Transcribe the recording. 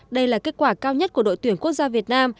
đây là kết quả cao nhất của đội tuyển quốc gia việt nam